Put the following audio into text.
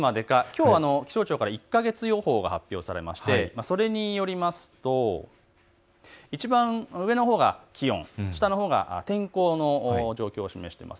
きょう気象庁から１か月予報が発表されましてそれによりますといちばん上が気温、下が天候を示しています。